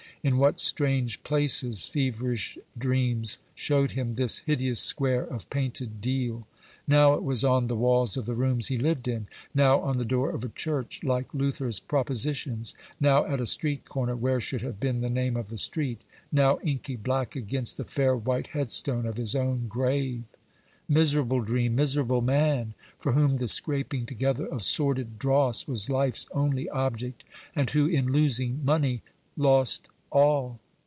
In what strange places feverish dreams showed him this hideous square of painted deal! Now it was on the walls of the rooms he lived in; now on the door of a church, like Luther's propositions; now at a street corner, where should have been the name of the street; now inky black against the fair white headstone of his own grave. Miserable dream, miserable man, for whom the scraping together of sordid dross was life's only object, and who, in losing money, lost all!